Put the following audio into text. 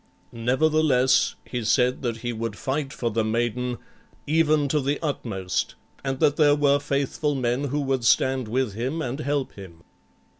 Nevertheless, he said that he would fight for the maiden, even to the utmost, and that there were faithful men who would stand with him and help him.